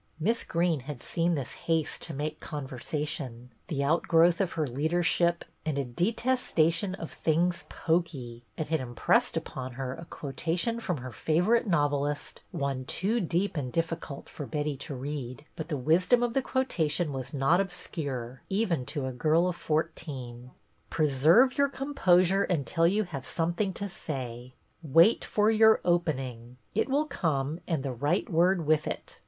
Miss Greene had seen this haste to " make conversation "— the out growth of her leadership and a detestation of things poky — and had impressed on her a quotation from her favorite novelist, one too deep and difficult for Betty to read ; but the wisdom of the quotation was not obscure even to a girl of fourteen. " Preserve your composure until you have some thing to say. Wait for your opening ; it will come and the right word with it.